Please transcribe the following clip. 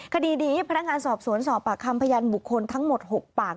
คดีนี้พนักงานสอบสวนสอบปากคำพยานบุคคลทั้งหมด๖ปาก